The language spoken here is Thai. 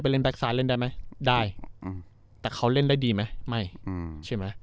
ไปได้มั้ยได้แต่เขาเล่นได้ดีไหมไม่